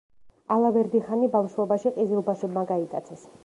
ალავერდი-ხანი ბავშვობაში ყიზილბაშებმა გაიტაცეს.